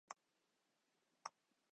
ドラえもんは実在でどこかに友達がいる